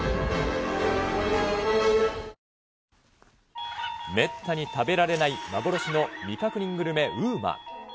２１めったに食べられない幻の未確認グルメ、ＵＭＡ。